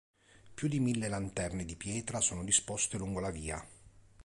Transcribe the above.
Più di mille lanterne di pietra sono disposte lungo la via.